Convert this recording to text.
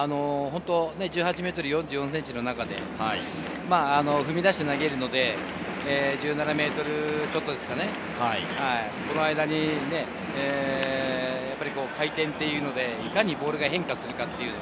１８ｍ４４ｃｍの中で踏み出して投げるので、１７ｍちょっと、その間にいかにボールが変化するか。